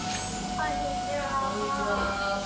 こんにちは。